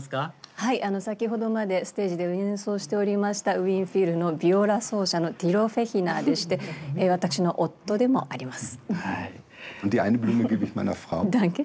はい、先ほどまでステージで演奏しておりましたウィーン・フィルのビオラ奏者のティロ・フェヒナーでして私の夫でもあります。